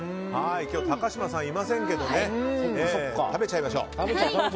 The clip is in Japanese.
今日は高嶋さんいませんけど食べちゃいましょう。